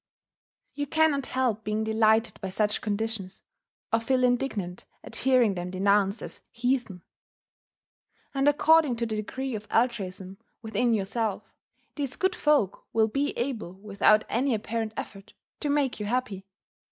You cannot help being delighted by such conditions, or feeling indignant at hearing them denounced as "heathen." And according to the degree of altruism within yourself, these good folk will be able, without any apparent effort, to make you happy.